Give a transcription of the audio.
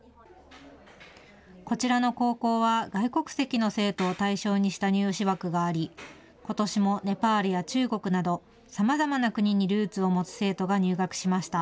こちらの高校は外国籍の生徒を対象にした入試枠がありことしもネパールや中国などさまざまな国にルーツを持つ生徒が入学しました。